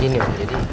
jane apa jadi